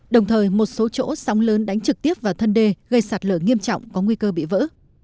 đồng thời một số chỗ sóng lớn đánh trực tiếp vào thân đê gây sạt lở nghiêm trọng có nguy cơ bị vỡ